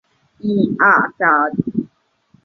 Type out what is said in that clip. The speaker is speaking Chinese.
性交时套在龟头的状沟上或阴茎根部。